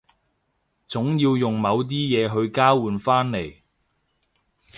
總要用某啲嘢去交換返嚟